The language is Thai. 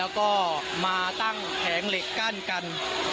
แล้วก็มาตั้งแผงเหล็กกั้นกัน